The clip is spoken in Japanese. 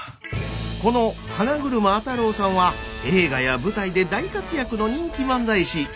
この花車当郎さんは映画や舞台で大活躍の人気漫才師。